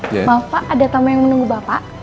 bapak ada tamu yang menunggu bapak